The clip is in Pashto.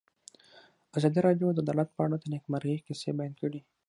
ازادي راډیو د عدالت په اړه د نېکمرغۍ کیسې بیان کړې.